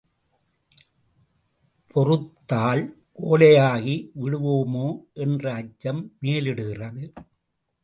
பொறுத்தால் கோழையாகி விடுவோமோ என்ற அச்சம் மேலிடுகிறது!